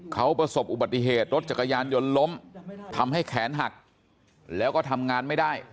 เขาประสบอุบัติเหตุรถจักรยานยนต์ล้มทำให้แขนหักแล้วก็ทำงานไม่ได้